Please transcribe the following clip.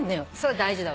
大事だわ。